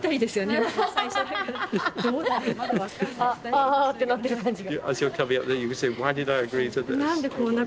ああってなってる感じが。